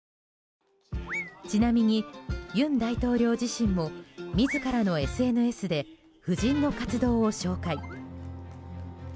ちなみに、尹大統領自身も自らのＳＮＳで夫人の活動を紹介。